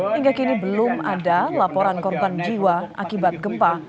hingga kini belum ada laporan korban jiwa akibat gempa